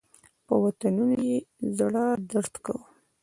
په وطنونو یې زړه درد کاوه.